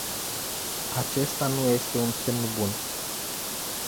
Acesta nu este un semn bun.